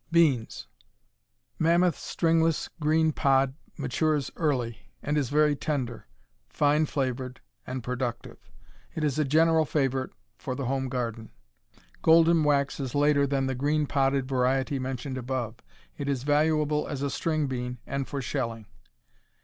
Beans Mammoth Stringless Green Pod matures early, and is very tender, fine flavored, and productive. It is a general favorite for the home garden. Golden Wax is later than the green podded variety mentioned above. It is valuable as a string bean, and for shelling.